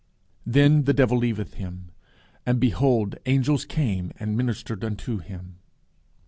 Then the devil leaveth him; and, behold, angels came and ministered unto him_.